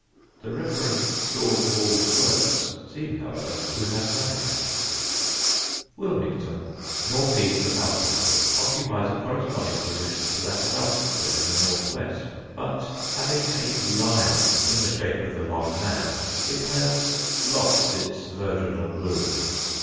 The Reverend George Hall's works seem, however, to have vanished. [Sidenote: THE LONG MAN] Wilmington, north east of Alfriston, occupies a corresponding position to that of Alciston in the north west; but having a "lion" in the shape of the Long Man it has lost its virginal bloom.